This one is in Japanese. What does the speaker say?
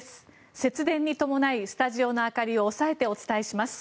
節電に伴いスタジオの明かりを抑えてお伝えします。